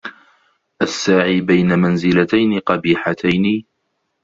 السَّاعِي بَيْنَ مَنْزِلَتَيْنِ قَبِيحَتَيْنِ